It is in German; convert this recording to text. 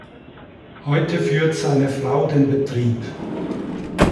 Heute führt seine Frau den Betrieb.